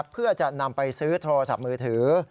เพื่อจะนำไปซื้อโทรศัพท์มือถือ